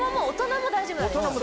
大人も大丈夫。